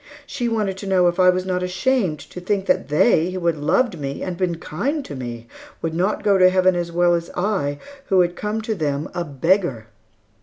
She wanted to know if I was not ashamed to think that they, who had loved me, and been kind to me would not go to Heaven as well as I who had come to them a beggar?